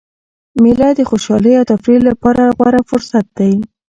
مېله د خوشحالۍ او تفریح له پاره غوره فرصت دئ.